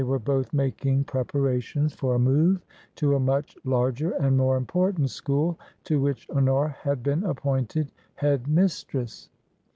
229 were both making preparations for a move to a much larger and more important school to which Honora had been appointed Head mistress.